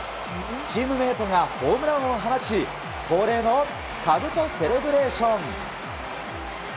チームメートがホームランを放ち恒例のかぶとセレブレーション。